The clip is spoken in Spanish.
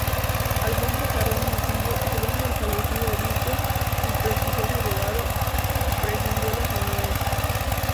Alfonso Carrión Morcillo, sobrino del fallecido obispo y prestigioso abogado, presidió las reuniones.